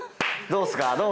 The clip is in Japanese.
どうっすか？